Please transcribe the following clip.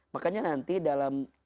makanya nanti dalam